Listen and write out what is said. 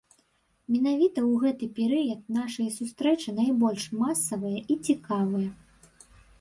Менавіта ў гэты перыяд нашыя сустрэчы найбольш масавыя і цікавыя.